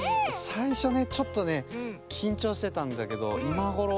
さいしょねちょっとねきんちょうしてたんだけどいまごろ